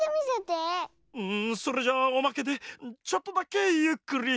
んそれじゃあおまけでちょっとだけゆっくり。